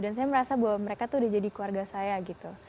dan saya merasa bahwa mereka tuh udah jadi keluarga saya gitu